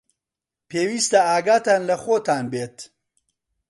پێویستە ئاگاتان لە خۆتان بێت.